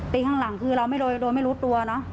ตีข้างหลังคือเราโดนไม่รู้ตัว